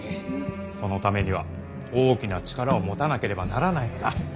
そのためには大きな力を持たなければならないのだ。